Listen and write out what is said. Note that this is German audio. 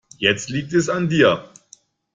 Jetzt liegt es an dir.